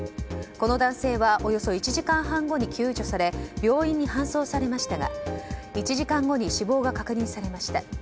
この男性はおよそ１時間半後に救助され病院に搬送されましたが１時間後に死亡が確認されました。